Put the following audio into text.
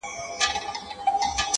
تامي د خوښۍ سترگي راوباسلې مړې دي كړې,